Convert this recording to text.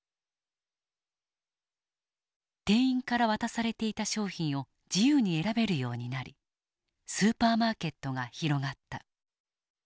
店員から渡されていた商品を自由に選べるようになりスーパーマーケットが広がった。